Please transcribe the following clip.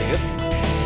kita coba dulu yuk